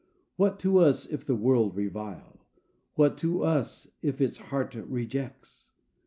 _ _What to us if the world revile! What to us if its heart rejects!